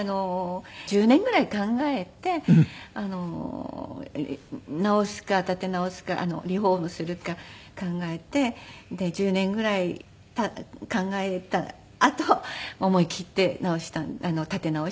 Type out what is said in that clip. １０年ぐらい考えて直すか建て直すかリフォームするか考えてで１０年ぐらい考えたあと思い切って建て直したんですけど。